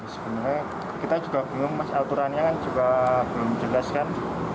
sebenarnya kita juga bingung mas aturannya kan juga belum jelas kan